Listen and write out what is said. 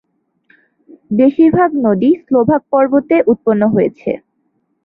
বেশিরভাগ নদী স্লোভাক পর্বতে উৎপন্ন হয়েছে।